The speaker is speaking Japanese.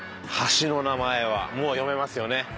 橋の名前はもう読めますよね。